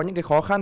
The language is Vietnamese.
những cái khó khăn